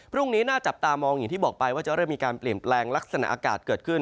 น่าจับตามองอย่างที่บอกไปว่าจะเริ่มมีการเปลี่ยนแปลงลักษณะอากาศเกิดขึ้น